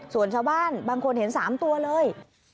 ส่วนชาวบ้านบางคนเห็น๓ตัวเลย